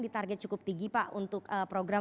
di target cukup tinggi pak untuk program